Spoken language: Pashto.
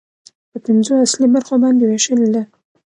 په پنځو اصلي برخو باندې ويشلې ده